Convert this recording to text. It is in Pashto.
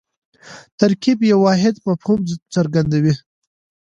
ترکیب یو واحد مفهوم څرګندوي.